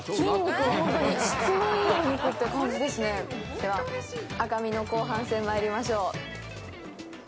では、赤身の後半戦、まいりましょう。